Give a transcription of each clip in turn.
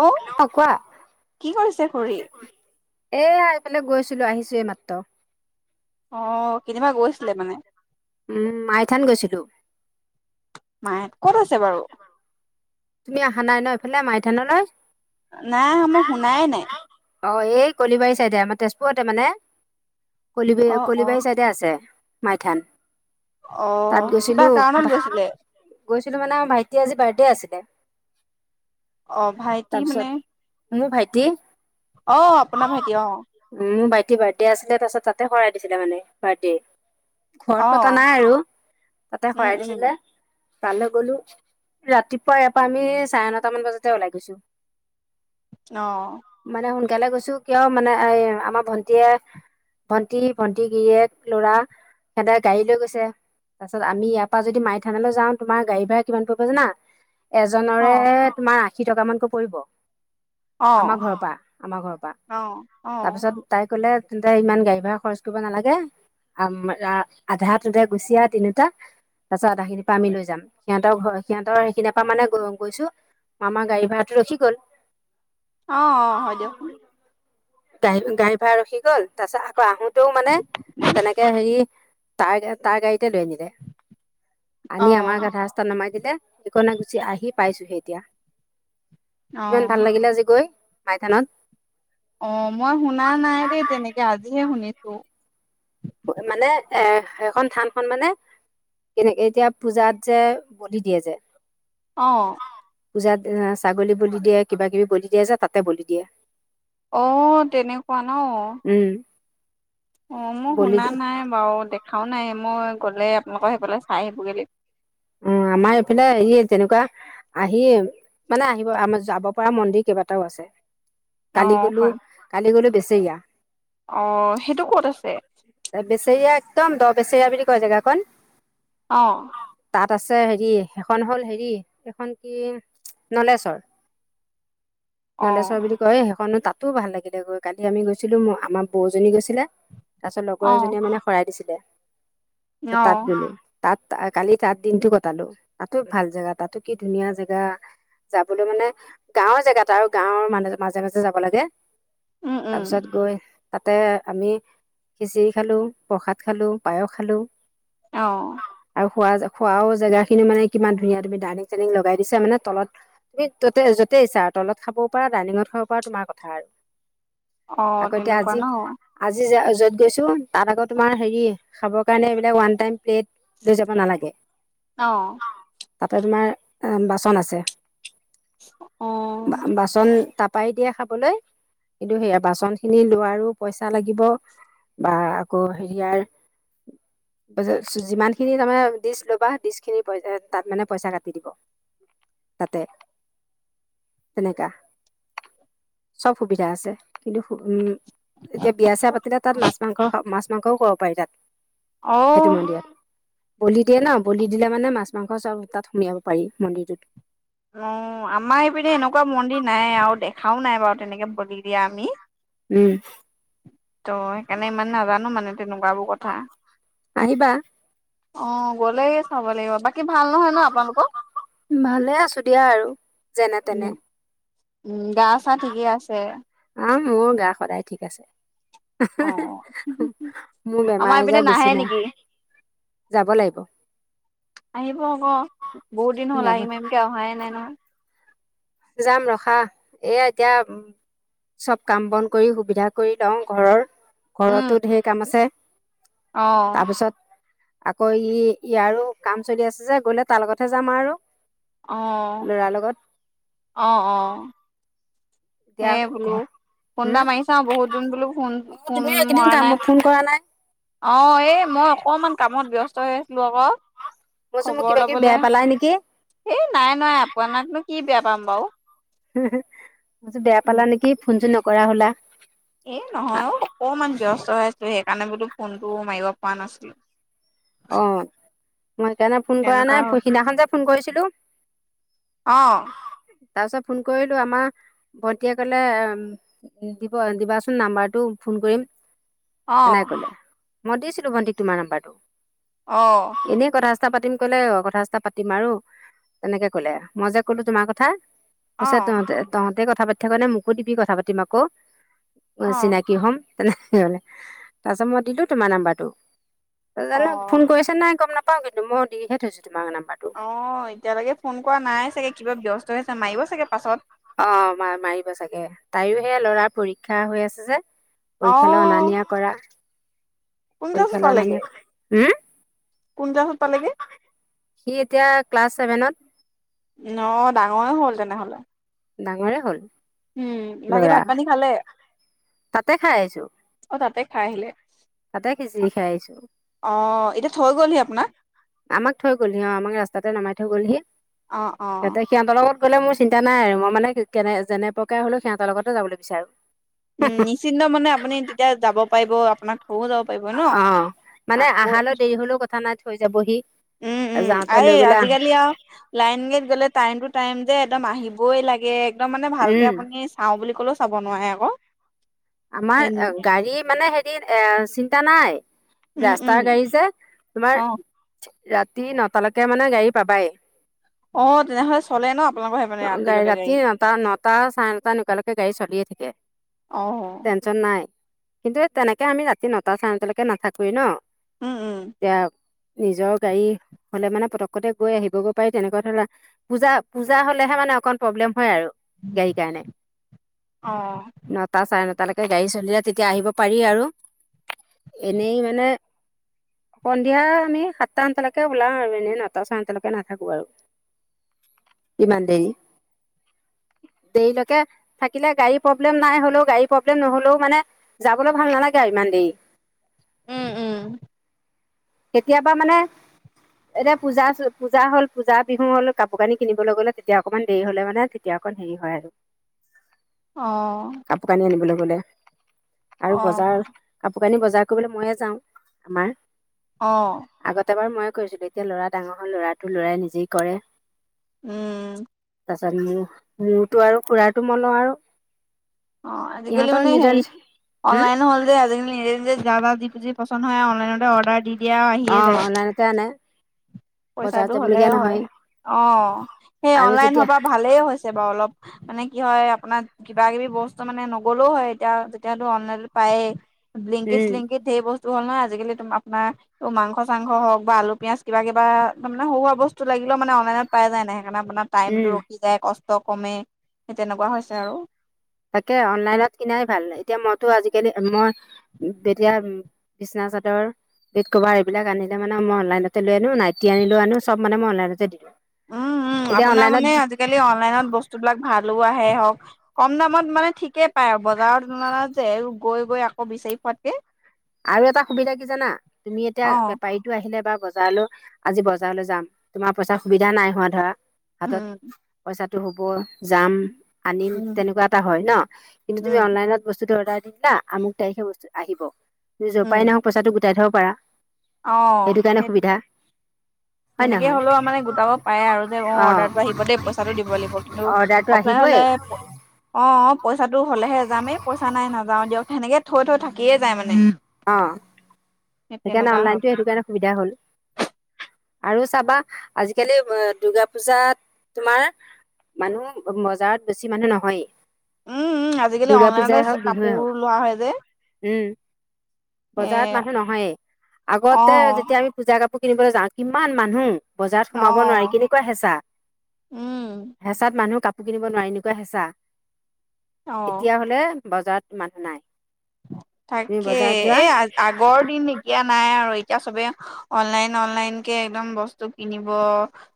অ, কি কৰিছে খুৰী? এয়া, এইফালে গৈছিলো আহিছো এই মাত্ৰ। অ, কেনিবা গৈছিলে মানে? উম, মাইথান গৈছিলো। মা [unintelligible] ক'ত আছে বাৰু? তুমি অহা নাই ন এইফালে মাইথানলৈ? নাই অহা, মই শুনাই নাই। অ', এই কলিবাৰী চাইডে, আমাৰ তেজপুৰতে মানে, কলিবা- অ' অ' কলিবাৰী চাইডে চাইডে আছে মাইথান। তাত অ', কিবা গৈছিলো কাৰণত গৈছিলে? গৈছিলো মানে আমাৰ ভাইটিৰ আজি বাৰ্থডে আছিলে। অ', ভাইটি তাৰপিছত মানে মোৰ ভাইটি অ', আপোনা ভাইটি অ'। উম, মোৰ ভাইটি বাৰ্থডে আছিলে তাৰপাছত তাতে শৰাই দিছিলে মানে বাৰ্থডে। ঘৰত পতা অ' নাই আৰু তাতে উম শৰাই উম দিছিলে। তালে গলো ৰাতিপুৱাই এপ পা আমি চাৰে নটা মান বজাতে ওলাই গৈছো। অ'। মানে সোনকালে গৈছো কিয় মানে এ, এ আমাৰ ভন্টিয়ে ভন্টি, ভন্টি গিৰিয়েক, ল'ৰা সেহেতে গাড়ী লৈ গৈছে। তাৰ পাছত আমি ইয়াৰ পৰা যদি মাই থানালৈ যাওঁ তোমাৰ গাড়ী ভাৰা কিমান পৰিব জানা? এজৰে অ' তোমাৰ আশী টকা মানকৈ পৰিব। আমাৰ অ' ঘৰৰ পৰা, আমাৰ ঘৰৰ পৰা অ' অ' তাৰপিছত তাই ক'লে তেন্তে ইমান গাড়ী ভাড়া খৰচ কৰিব নালাগে আম-লা- আধাটোতে গুচি আহ তিনিটা তাৰপাছত আধাখিনি পা আমি লৈ যাম, সিহঁতৰ ঘৰ-সিহঁতৰ সেখি পা মানে গৈ-গৈছো, আমা গাড়ী ভাড়াটো ৰখি গ'ল। অ, হয় দিয়ক। [unintelligible] গাড়ী ভাড়া ৰখি গ'ল তাৰ পিছত আকৌ আহোতেও মানে তেনেকে হেৰি তাৰ গে তাৰ গাড়ীতে লৈ আনিলে, আনি আমাৰ অ' আধা ৰাস্তাত নামাই দিলে সিকনে গুচি আহি পাইছোহে এতিয়া, কিমান ভাল অ' লাগিলে আজি গৈ আইথানত। অ মই শুনা নাই দেই তেনেকে আজিহে শুনিছোঁ। শু মানে এ সেইখন থানখন মানে কেনেকে এতিয়া পূজাত যে বলি দিয়ে যে। অ। পূজাত এ ছাগলী বলি দিয়ে, কিবা কিবি বলি দিয়ে যে তাতে বলি দিয়ে। অ তেনেকুৱা ন। উম অঁ মোৰ বলি শুনা দিয়ে নাই বাৰু দেখাও নাই, মই গ'লে আপোনালোকৰ সেইফালে চাই আহিবগৈ? উম আমাৰ এইফালে ই যেনেকুৱা আহিম মানে আহিব আমাৰ যাব পৰা মন্দিৰ কেইবাটাও আছে। অ', কালি গলো, হয় কালি গলো বেচিগা। অ সেইটো ক'ত আছে? এ বেচেৰীয়া একদম দ বেচেৰীয়া বুলি কয় জেগাখন। অঁ। তাত আছে হেৰি সেইখন হ'ল হেৰি এইখন কি নলেশ্বৰ। [inaudible] অ', নন্দেশ্বৰ বুলি কয় সেইখন তাতো ভাল লাগিলে গৈ, কালি আমি গৈছিলো আমাৰ বৌজনী গৈছিলে তাৰ পিছত লগৰ অ', এজনীয়ে মানে শৰাই দিছিলে ত তাত অ', গলো, তাত তা কালি তাত দিনটো কটালো তাতো ভাল জেগা তাতো কি ধুনীয়া জেগা যাবলৈ মানে গাঁৱৰ জেগাত আৰু গাঁৱৰ মানে মাজে - মাজে যাব লাগে। উম, উম, তাৰপিছত গৈ তাতে আমি খিচিৰি খালো, প্ৰসাদ খালো, পায়স খালো। অ। আৰু খোৱা যে খোৱাও জেগাখিনি মানে কিমান ধুনীয়া, তুমি ডাইনিং - চাইনিং লগাই দিছা মানে তলত তুমি ত'তে য'তেই ইচ্ছা আৰু তলত খাব পৰা, ডাইনিঙত খাব পৰা তোমাৰ কথা আৰু। অ', আকৌ এতিয়া তেনেকুৱা আজি ন আজি যা য'ত গৈছো তাত আকৌ তোমাৰ হেৰি খাবৰ কাৰণে এইবিলাক ওৱান টাইম প্লেট লৈ যাব নালাগে। অ। তাতে তোমাৰ এ বাচন আছে অ', বা বাচ তন তাপাই দিয়ে খাবলৈ কিন্তু সেয়া বাচনখিনি লোৱাৰো পইচা লাগিব। বা আকৌ হেৰিয়াৰ [unintelligible] যিমানখিনি তাৰমানে দিছিলো বা দিছখিনি পইচা তাত মানে পইচা কাটি দিব তাতে। তেনেকা, চব সুবিধা আছে কিন্তু হো উম এতিয়া বিয়া-চিয়া পাতিলে তাত মাছ - মাংস হ মাছ - মাংসও খুৱাব পাৰি তাত। সেইটো অ', মন্দিৰত, বলি দিয়ে ন বলি দিলে মানে মাছ - মাংস চব তাত সোমিয়াব পাৰি মন্দিৰটোত। অঁ আমাৰ ইপিনে এনেকুৱা মন্দিৰ নাই আৰু দেখাও নাই বাৰু তেনেকে বলি দিয়া আমি। উম। ত সেইকাৰণে ইমান নাজানো মানে তেনেকুৱাবোৰ কথা। আহিবা অ গ'লেই চাব লাগিব, বাকী ভাল নহয় ন আপোনালোকৰ? ভালে আছো দিয়া আৰু যেনে উম, তেনে। উম, গা চা ঠিকে আছে? অহ মোৰ গা সদায় ঠিক আছে। অ'। মোৰ আমাৰ বেমাৰ এইপিনে আজাৰ নাহে বেছি নেকি? নাই, যাব লাগিব। আহিব আকৌ বহুত দিন হ'ল যাব আহিম আহিমকে অহাই নাই নহয়। যাম ৰখা এয়া এতিয়া চব কাম বন কৰি সুবিধা কৰি লওঁ ঘৰৰ, উম, ঘৰতো ধে কাম আছে। অ', তাৰপিছত আকৌ ই ইয়াৰো আৰু কাম চলি আছে যে গ'লে তাৰ লগতহে যাম আৰু। অ'। [unintelligible] লগত। অ', অ'। এতিয়া হেই বোলো ঘৰ ফোন উম এটা মাৰিছাও বহুত দিন বোলো ফোন অ ফোন তুমি এইকেইদিন মৰা কাম নাই। ফোন কৰা নাই অ', এই মই অকণমান কামত ব্যস্ত হৈ আছিলো আকৌ। মই কৈছো মোক খবৰ কিবা কিবি ল'বলৈ বেয়া পালাই নেকি এ নাই নাই আপোনাকনো কি বেয়া পাম বাৰু। মই ভাবিছো বেয়া পালা নেকি ফোন চোন নকৰা হ'লা। এ নহয় অ' অকণমান ব্যস্ত হৈ আছিলো সেইকাৰণে বোলো ফোনটো মাৰিব পৰা নাছিলো। অ'। মই সেইকাৰণে ফোন কৰা তেনেকুৱা নাই হ'ল সিদিনাখন যে ফোন কৰিছিলো। অ', তাৰপিছত ফোন কৰিলো আমাৰ ভন্টীয়ে ক'লে উম দিব দিবাচোন নাম্বাৰটো ফোন কৰিম। হেনেকে অ', ক'লে মই দিছিলো ভন্টিক তোমাৰ নাম্বাৰটো। অ'। এনেই কথা চথা পাতিম ক'লে অ' কথা চথা পাতিম আৰু। তেনেকে ক'লে মই যে ক'লো তোমাৰ কথা। কৈছে অ', তহঁতে তহঁতে কথা পাতি থকা নে মোকো দিবি কথা পাতিম আকৌ অ', চিনাকি হম। তেনেকে ক'লে তাৰপিছত মই দিলো তোমাৰ নাম্বাৰটো। তাৰপিছত জানো অ'। কৰিছেনে নাই গম নাপাওঁ কিন্তু মই দিহে থৈছো তোমাৰ নাম্বাৰটো। অ'। এতিয়ালৈকে ফোন কৰা নাই চাগে কিবা ব্যস্ত হৈ আছে মাৰিব চাগে পাছত। অ', মা-মাৰিব চাগে তাইৰো সেই ল'ৰাৰ পৰীক্ষা হৈ আছে যে। অ পৰীক্ষালৈ অনা নিয়া কৰা। কোন ক্লাছত পৰীক্ষালৈ অনা পালেগে? নিয়া কৰা, হম? কোন ক্লাছত পালেগে? সি এতিয়া ক্লাছ ছেভেনত। অ', ডাঙৰে হ'ল তেনেহ'লে। ডাঙৰে হ'ল উম, বাকী ল'ৰা, ভাত পানী খালে? তাতে খাই আহিছো। অ', তাতে খাই আহিলে। তাতে খিচিৰি খাই আহিছো অ' এতিয়া থৈ গ'লহি আপোনাক? আমাক থৈ গ'লহি অ' আমাক ৰাস্তাতে নমাই থৈ গ'লহি। অ', অ'। তাতে সিহঁতৰ লগত গ'লে মোৰ চিন্তা নাই আৰু মই মানে কেনে যেনে প্ৰকাৰে হ'লেও সিহঁতৰ লগতে যাব বিচাৰো। উম, নিশ্চিন্ত মানে আপুনি তেতিয়া যাব পাৰিব আপোনাক থ'বওঁ যাব পাৰিব। ন? অ', মানে আকৌ আহালৈ দেৰি হ'লেও কথা নাই থৈ যাবহি। উম, উম, যাওঁতে এই লৈ গ'লা আজিকালি আৰু লাইন গাড়ীত গ'লে টাইম টু টাইম যে একদম আহিবই লাগে একদম মানে ভালকে উম আপুনি চাওঁ বুলি ক'লেও চাব নোৱাৰে আকৌ। আমাৰ গাড়ী মানে হেৰি এ, চিন্তা নাই। উম, উম, ৰাস্তাৰ গাড়ী যে অ'। তোমাৰ ৰাতি নটালৈকে মানে গাড়ী পাবাই। অ', তেনেহ'লে চলে ন আপোনালোকৰ সেইপিনে গাড়ী ৰাতিলৈকে ৰাতি নটা নটা চাৰে নটা এনকালৈকে গাড়ী চলিয়ে থাকে। অ'। টেনচন নাই কিন্তু তেনেকে আমি ৰাতি নটা চাৰে নটালৈকে নাথাকোৱেই ন'। উম, উম। দিয়ক। নিজৰ গাড়ী হ'লে মানে পটক্কতে গৈ আহিবগৈ পাৰি তেনেকুৱা ধৰণা পূজা পূজা হ'লেহে মানে অকণ প্ৰব্লেম হয় আৰু গাড়ীৰ কাৰণে। অ'। নটা চাৰে নটালৈকে গাড়ী চলিলে তেতিয়া আহিব পাৰি আৰু এনেই মানে সন্ধিয়া আমি সাতটা নটালৈকে ওলাও আৰু এনে নটা চাৰে নটালৈকে নাথাকোঁ আৰু। ইমান দেৰি। দেৰিলৈকে থাকিলে গাড়ীৰ প্ৰব্লেম নাই হ'লেও গাড়ী প্ৰব্লেম নহ'লেও মানে যাবলৈ ভাল নালাগে আৰু ইমান দেৰি। উম, উম। কেতিয়াবা মানে এতিয়া পূজা পূজা হ'ল পূজা, বিহু হ'ল কাপোৰ কানি কিনিবলৈ গ'লে তেতিয়া অকনমান দেৰি হ'লে মানে তেতিয়া অকণ হেৰি হয় আৰু। অ'। কাপোৰ কানি আনিবলৈ গ'লে আৰু অ', বজাৰ কাপোৰ কানি বজাৰ কৰিবলৈ ময়ে যাওঁ আমাৰ। অ'। আগতে বাৰু ময়ে কৰিছিলোঁ, এতিয়া ল'ৰা ডাঙৰ হ'ল ল'ৰাটো ল'ৰাই নিজেই কৰে। উম। তাৰপাছত মোৰ, মোৰটো আৰু খুৰাৰটো মই লওঁ আৰু। অ' আজিকালি ইহঁতৰ মানে নিজৰ হেৰি নিজ অনলাইন হ'ল যে আজিকালি নিজে নিজে যাৰ বা যি যি পচন্দ হয় অনলাইনতে অৰ্ডাৰ দি দিয়ে আৰু আহিয়ে অ' যায়। অনলাইনতে আনে। বজাৰত পইচাটো হ'লে যাবলগীয়া হয়। নহয় অ' সেই আৰু অনলাইন যেতিয়া হোৱাৰ পৰা ভালেই হৈছে বাৰু অলপ। মানে কি হয় আপোনাৰ কিবা কিবি বস্তু মানে নগলেও হয় তেতিয়া, যেতিয়াতো অনলাইন পায়েই। ব্লিংকিত উম শ্লিংকিত ধেৰ বস্তু হ'ল নহয় আজিকালি আপোনাৰ মাংস চাংস হওক বা আলু পিয়াজ কিবা বা তাৰমানে সৰু সুৰা বস্তু লাগিলে মানে অনলাইনত পাই যায় নে সেইকাৰণে আপোনাৰ উম টাইমটো সি যায় কষ্ট কমে সেই তেনেকুৱা হৈছে আৰু। তাকে অনলাইনত কিনাই ভাল। এতিয়া মইতো আজিকালি মই তেতিয়া বিছনা চাদৰ বেড কভাৰ এইবিলাক আনিলে মানে মই অনলাইনতে লৈ আনো, নাইটি আনিলেও আনো চব মানে মই অনলাইনতে দি দিওঁ। উম, উম, এতিয়া আপোনাৰ অনলাইনত মানে আজিকালি অনলাইনত বস্তুবিলাক ভালো আহে হওক কম দামত মানে ঠিকেই পায় আৰু, বজাৰৰ তুলনাত যে গৈ গৈ আকৌ বিচাৰি ফুৰাতকে। আৰু এটা সুবিধা কি জানা তুমি এতিয়া অ'। বেপাৰী টো আহিলে বা বজাৰলৈ আজি বজাৰলৈ যাম তোমাৰ পইচাৰ সুবিধা নাই হোৱা ধৰা হাতত উম, পইচাটো হ'ব যাম। আনিম উম, তেনেকুৱা এটা হয় ন' কিন্তু তুমি উম, অনলাইনত বস্তুটো অৰ্ডাৰ দিলা আমুক তাৰিখে বস্তুটো আহিব, যৰ উম, পাই নহওক পইচাটো গোটাই থ'ব পাৰা। সেইটো অ', কাৰণে সুবিধা সেইটোৱেই। হয় যেনেকে নহয় হ'লেও মানে গোটাব পাৰে আৰু যে অ', অঁ অৰ্ডাৰটো আহিব দেই পইচাটো দিব লাগিব। কিন্তু অৰ্ডাৰটো অফলাইন আহিবই হলে অ', পইচাটো হ'লেহে যাম এই পইচা নাই নাযাও দিয়ক সেনেকে থৈ থৈ থাকিয়ে যায় মানে। অ', সেই সেইকাৰণে তেনেকুৱা হয় অনলাইনটো সেইটো কথাটো। কাৰণে সুবিধা হ'ল। আৰু চাবা আজিকালি দূৰ্গা পূজাত তোমাৰ মানুহ, বজাৰত বেছি মানুহ নহয়ে। উম, উম, আজিকালি অনলাইনতে বিহুৱে কাপোৰ হওক লোৱা হয় যে। উম,। এ বজাৰত মানুহ নহয়েই আগতে অ', যেতিয়া আমি পূজা কাপোৰ কিনিবলৈ যাওঁ কিমান মানুহ। বজাৰত সোমাব নোৱাৰি অ', কেনেকুৱা হেঁচা। উম, হেঁচাত মানুহ কাপোৰ কিনিব নোৱাৰি এনেকুৱা হেঁচা, অ'। এতিয়াহলে বজাৰত ইমানো নাই। তুমি তাকে বজাৰত যোৱা এ আ আগৰ দিন এটিয়া নাই আৰু এতিয়া চবে অনলাইন অনলাইন কে একদম বস্তু কিনিব।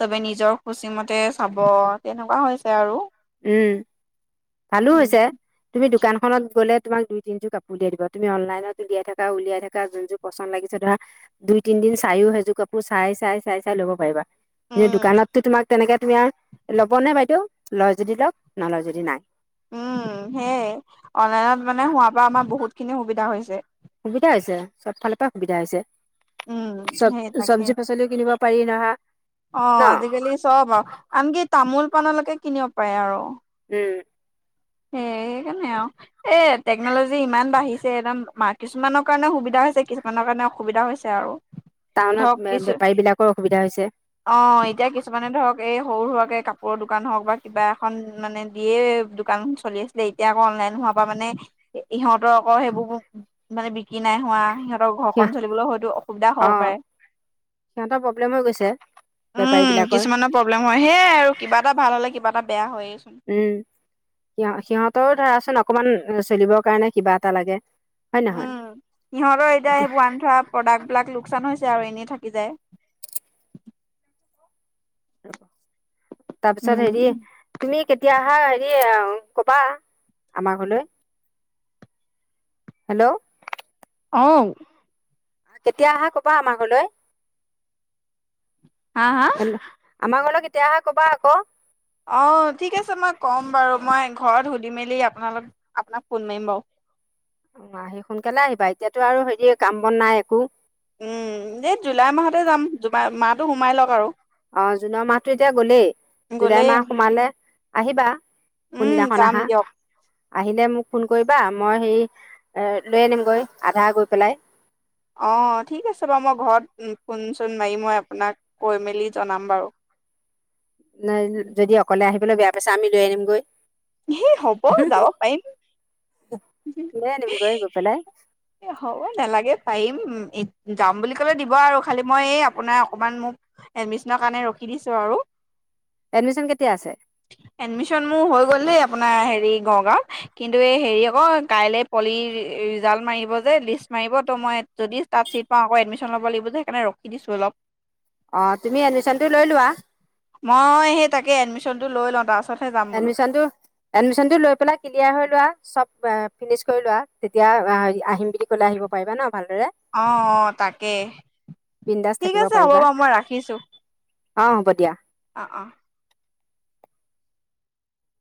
চবে নিজৰ খুচী মতে চাব তেনেকুৱা হৈছে আৰু। উম, ভালো উম হৈছে। তুমি দোকানখনত গ'লে তোমাক দুই তিনিযোৰ কাপোৰ উলিয়াই দিব তুমি অনলাইনত উলিয়াই থাকা, উলিয়াই থাকা, যোন যোৰ পচন্দ লাগিছে ধৰা দুই তিনদিন চায়ও সেইযোৰ কাপোৰ চাই চাই চাই চাই ল'ব পাৰিবা। এই উম দোকানত তো তোমাক তেনেকে তুমি আৰু ল'বনে বাইদেউ লয় যদি লওক নলয় যদি নাই। উম, সেয়ে অনলাইনত মানে হোৱাৰ পৰা আমাৰ বহুতখিনি সুবিধা হৈছে। সুবিধা হৈছে চব ফালৰ পৰা সুবিধা হৈছে উম সেই চব তাকে চব্জি পাচলিও কিনিব পাৰি ধৰা অ', আজিকালি চব আৰু আনকি তামোল পাণলৈকে কিনিব পাৰে আৰু। উম। সেইকাৰণে আৰু। এ টেকনলজি ইমান বাঢ়িছে একদম কিছুমানৰ কাৰণে সুবিধা হৈছে কিছুমানৰ কাৰণে অসুবিধা হৈছে আৰু। টাউনত ধৰক কিছু বেপাৰী বিলাকৰ অসুবিধা হৈছে। অ', এতিয়া কিছুমানে ধৰক এই সৰু সুৰাকে কাপোৰৰ দোকান হওক বা কিবা এখন মানে দিয়ে দোকান চলি আছিলে এতিয়া আকৌ অনলাইন হোৱা পৰা মানে ইহঁতৰ আকৌ সেইবোৰ মানে বিক্ৰী নাই হোৱা সিহঁতৰ সিহ ঘৰখন চলিবলৈ হয়তো অসুবিধা হ'ব অ পাৰে। সিহঁতৰ প্ৰব্লেম হৈ গৈছে বেপাৰী উম বিলাকৰ। কিছুমানৰ প্ৰব্লেম হয়, সেয়াই আৰু কিবা এটা ভাল হ'লে কিবা এটা বেয়া হয়েইচোন। উম, সিহ সিহঁতৰো ধৰাচোন অকমান চলিবৰ কাৰণে কিবা এটা লাগে। হয় নহয় উম, সিহঁতৰ এতিয়া সেইবোৰ আন থোৱা প্ৰডাক্ট বিলাক লোকচান হৈছে আৰু এনেই থাকি যায়। তাৰপিছত উম হেৰি তুমি কেতিয় আহা হেৰি কবা আমাৰ ঘৰলৈ। হেল্ল'? অ'। কেতিয়া আহা কবা আমাৰ ঘৰলৈ হা হা হেল্লো? আমাৰ ঘৰলৈ কেতিয়া আহা কবা আকৌ। অঁ', ঠিক আছে মই ক'ম বাৰু মই ঘৰত সুধি মেলি আপোনালোক আপোনাক ফোন মাৰিম বাৰু। অ', আহি সোনকালে আহিবা এতিয়াতো আৰু হেৰি কাম বন নাই একো। এই জুলাই মাহতে যাম জাই মাহটো সোমাই লওক আৰু। অ', জুনৰ মাহতটো এতিয়া গ'লেই জুলাই গ'লেই মাহ সোমালে আহিবা। কোন উম, দিনাখন যাম আহা। দিয়ক। আহিলে মোক ফোন কৰিবা মই হেৰি লৈ আনিমগৈ আধা গৈ পেলাই। অঁ ঠিক আছে বাৰু মই ঘৰত ফোন চোন মাৰি মই আপোনাক কৈ মেলি জনাম বাৰু। নাই যদি অকলে আহিবলৈ বেয়া পাইছে আমি লৈ আনিম গৈ। সেই হ'ব যাব পাৰিম লৈ আনিমগৈ গৈ পেলাই। হ'ব নালাগে পাৰিম যাম বুলি ক'লে দিব আৰু খালি মই এই আপোনাৰ অকণমান মোক এডমিশনৰ কাৰণে ৰখি দিছোঁ আৰু এডমিশচন কেতিয়া আছে? এডমিশ্যন মোৰ হৈ গ'ল দেই আপোনাৰ হেৰি নগাঁৱত কিন্তু এই হেৰি আকৌ কাইলৈ পলি ৰিজাল্ট মাৰিব যে লিষ্ট মাৰিব ত মই যদি তাত চিট পাওঁ আকৌ এডমিচন ল'ব লাগিব যে সেইণে ৰখি দিছোঁ অলপ। অ তুমি এডমিশ্যন টো লৈ লোৱা। মই সেই তাকে এডমিশনটো লৈ লওঁ। তাৰপাছত এডমিচনটো এডমিচনটো লৈ পেলাই ক্লিয়াৰ হৈ লোৱা চব ফিনিচ কৰি লোৱা তেতিয়া আহিম বুলি ক'লে আ পাৰিবা ন ভালদৰে। অ', অ', তাকেই বিন্দাছ ঠিক থাকিব আছে হ'ব পাৰিবা বাৰু মই ৰাখিছো। অ', হ'ব দিয়া। অ', অ'।